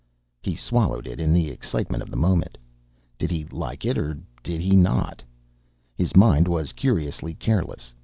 He swallowed it in the excitement of the moment. Did he like it or did he not? His mind was curiously careless.